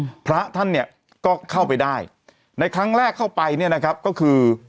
พระท่านเนี่ยก็เข้าไปได้ในครั้งแรกเข้าไปเนี้ยนะครับก็คือ